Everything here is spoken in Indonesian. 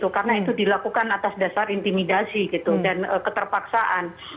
karena itu dilakukan atas dasar intimidasi dan keterpaksaan